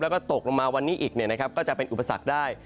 แล้วก็ตกลงมาวันนี้อีกเนี่ยนะครับก็จะเป็นอุปสรรคได้